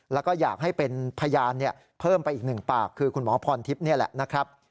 แล้วก็อยากให้เป็นพยานเพิ่มไปอีกหนึ่งปากคือคุณหมอพรทิพย์นี่แหละนะครับ